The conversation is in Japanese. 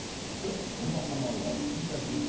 このはなはふきだし草。